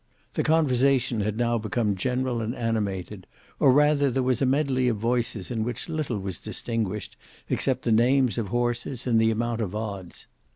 The conversation had now become general and animated, or rather there was a medley of voices in which little was distinguished except the names of horses and the amount of odds.